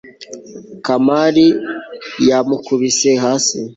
kamari yamukubise hasi